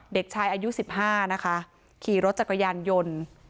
เด็กชายอายุ๑๕นะคะขี่รถจักรยานยนต์